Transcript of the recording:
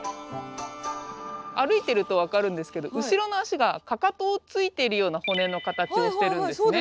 歩いてると分かるんですけど後ろの足がかかとをついてるような骨の形をしてるんですね。